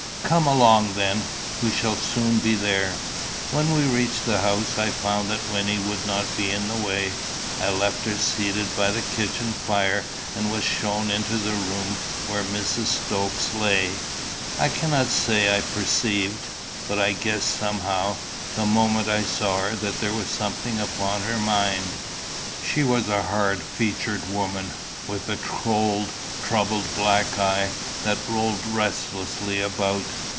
"Come along, then. We shall soon be there." When we reached the house I found that Wynnie would not be in the way. I left her seated by the kitchen fire, and was shown into the room where Mrs. Stokes lay. I cannot say I perceived. But I guessed somehow, the moment I saw her that there was something upon her mind. She was a hard featured woman, with a cold, troubled black eye that rolled restlessly about.